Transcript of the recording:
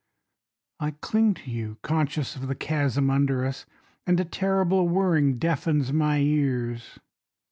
I cling to you Conscious of the chasm under us, And a terrible whirring deafens my ears.